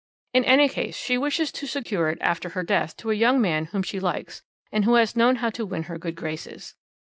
"In any case, she wishes to secure it after her death to a young man whom she likes, and who has known how to win her good graces.